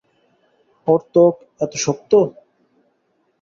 ওর ত্বক এত শক্ত!